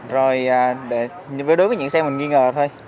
rồi đối với những xe mình nghi ngờ thôi